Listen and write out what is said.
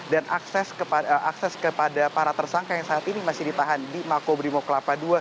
dan akses kepada para tersangka yang saat ini masih ditahan di mako brimob kelapa dua